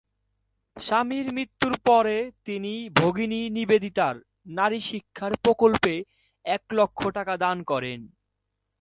স্বামীর মৃত্যুর পরে তিনি ভগিনী নিবেদিতার নারী শিক্ষার প্রকল্পে এক লক্ষ টাকা দান করেন।